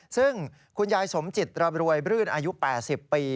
ซึ่งคุณยายสมจิตรำรวยบรื่นอายุ๘๐ปี